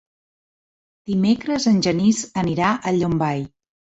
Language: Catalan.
Dimecres en Genís anirà a Llombai.